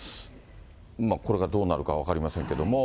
これがどうなるか分かりませんけれども。